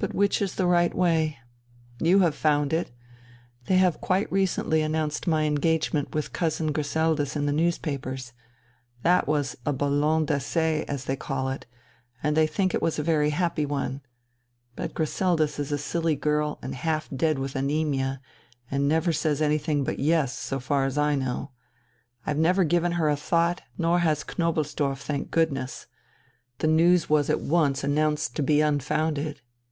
But which is the right way? You have found it. They have quite recently announced my engagement with Cousin Griseldis in the newspapers. That was a ballon d'essai, as they call it, and they think it was a very happy one. But Griseldis is a silly girl, and half dead with anæmia, and never says anything but 'yes,' so far as I know. I've never given her a thought, nor has Knobelsdorff, thank goodness. The news was at once announced to be unfounded....